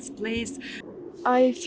saya merasa aman di sini